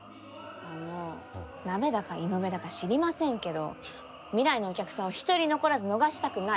あのナベだかイノベだか知りませんけど未来のお客さんを一人残らず逃したくない。